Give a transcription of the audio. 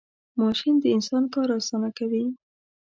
ماشین د انسان کار آسانه کوي .